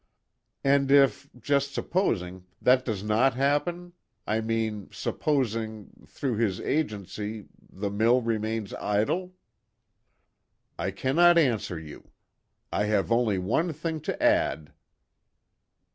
"And if just supposing that does not happen I mean, supposing, through his agency, the mill remains idle?" "I cannot answer you. I have only one thing to add."